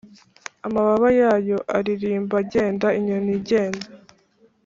amababa yabo aririmba genda inyoni genda